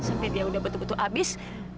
sampai dia udah betul betul habis